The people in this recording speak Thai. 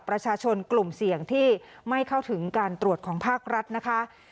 ประชาชนกลุ่มเสี่ยงที่ไม่เข้าถึงการตรวจของภาครัฐนะคะ